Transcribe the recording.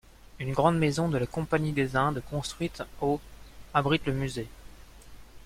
Une grande maison de la Compagnie des Indes construite au abrite le musée.